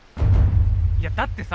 いやだってさ